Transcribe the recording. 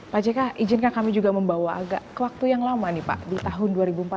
pak jk izinkan kami juga membawa agak ke waktu yang lama nih pak di tahun dua ribu empat belas